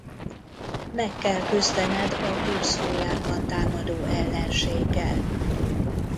Meg kell küzdened a húsz hullámban támadó ellenséggel.